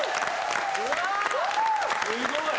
すごい！